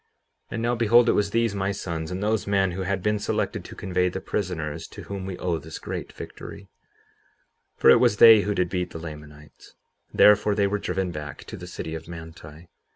57:22 And now behold, it was these my sons, and those men who had been selected to convey the prisoners, to whom we owe this great victory; for it was they who did beat the Lamanites; therefore they were driven back to the city of Manti.